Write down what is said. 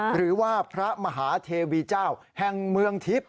หรือว่าพระมหาเทวีเจ้าแห่งเมืองทิพย์